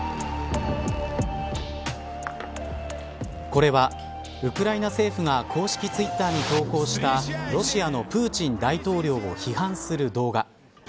これはウクライナ政府が公式ツイッターに投稿したロシアのプーチン大統領を批判する動画。